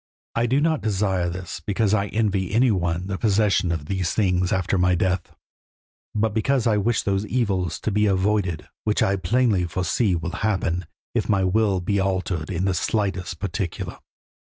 I do not desire this because I envy any one the possession of these things after my death, but because I wish those evils to be avoided which I plainly foresee will happen if my will be altered in the slightest particular."